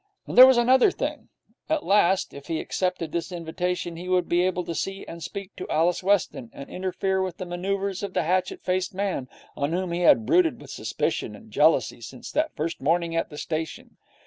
And there was another thing. At last, if he accepted this invitation, he would be able to see and speak to Alice Weston, and interfere with the manoeuvres of the hatchet faced man, on whom he had brooded with suspicion and jealousy since that first morning at the station.